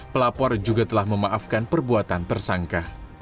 pelapor juga telah memaafkan perbuatan tersangka